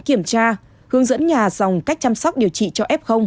trạm y tế phường đã nhanh chóng kiểm tra hướng dẫn nhà dòng cách chăm sóc điều trị cho f